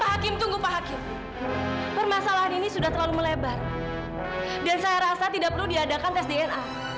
hakim tunggu pak hakim permasalahan ini sudah terlalu melebar dan saya rasa tidak perlu diadakan tes dna